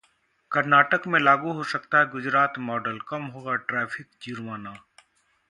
कर्नाटक में लागू हो सकता है गुजरात मॉडल, कम होगा ट्रैफिक जुर्माना!